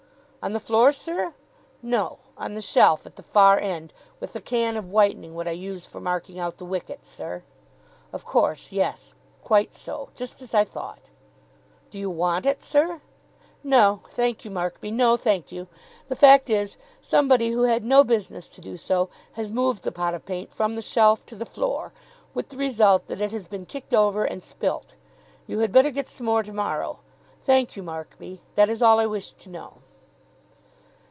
"On the floor, sir? No. On the shelf at the far end, with the can of whitening what I use for marking out the wickets, sir." "Of course, yes. Quite so. Just as I thought." "Do you want it, sir?" "No, thank you, Markby, no, thank you. The fact is, somebody who had no business to do so has moved the pot of paint from the shelf to the floor, with the result that it has been kicked over, and spilt. You had better get some more to morrow. Thank you, Markby. That is all I wished to know."